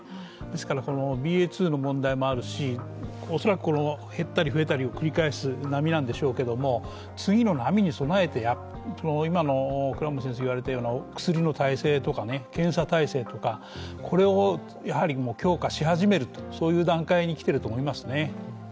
ですから、ＢＡ．２の問題もあるし恐らく減ったり増えたりを繰り返す波なんでしょうけど次の波に備えて、今の薬の体制とか検査体制とか、これを強化し始めるという段階に来ていると思います。